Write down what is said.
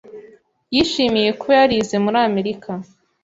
Yishimiye kuba yarize muri Amerika.